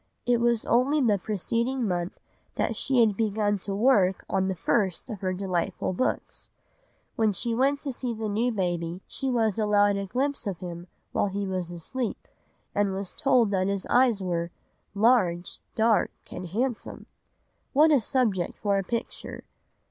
It was only the preceding month that she had begun to work on the first of her delightful books. When she went to see the new baby she was allowed a glimpse of him while he was asleep, and was told that his eyes were "large, dark, and handsome." What a subject for a picture!